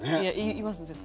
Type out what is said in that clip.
いますね、絶対。